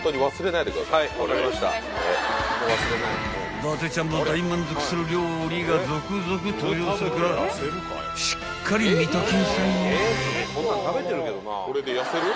［伊達ちゃんも大満足する料理が続々登場するからしっかり見ときんさいよ］